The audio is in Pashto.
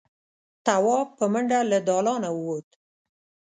تواب په منډه له دالانه ووت.